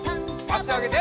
あしあげて。